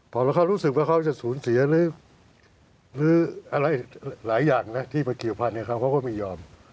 พอเขารู้สึกว่าเขาจะสูญเสียหรืออะไรหลายอย่างนะที่ไปเกี่ยวพันธุ์เขาก็ไม่ยอม